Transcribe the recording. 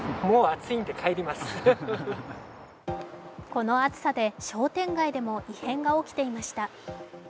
この暑さで商店街でも異変が起きていました